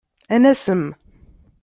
Ad nasem.